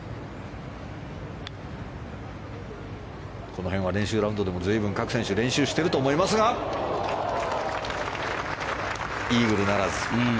この辺は練習ラウンドでも随分、各選手練習していると思いますがイーグルならず。